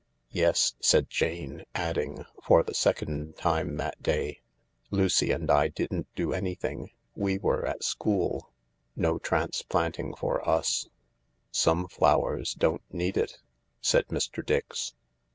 "Yes," said Jane, adding, for the second time that day, " Lucy and I didn't do anything. We were at school. No transplanting for us." " Some flowers don't need it," said Mr. Dix.